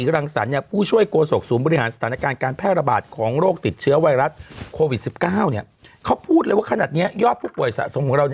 เราไปดูกันอ่อนว่า